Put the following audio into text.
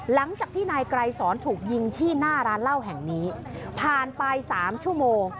หลังจากที่นายไกรสอนถูกยิงที่หน้าร้านเหล้าแห่งนี้ผ่านไปสามชั่วโมง